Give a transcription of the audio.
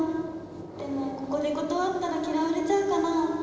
でも、ここで断ったら嫌われちゃうかな」。